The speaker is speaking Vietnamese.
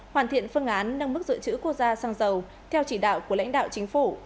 hoàn thiện phương án nâng mức dự trữ quốc gia xăng dầu theo chỉ đạo của lãnh đạo chính phủ